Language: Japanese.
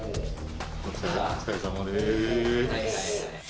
お疲れさまです。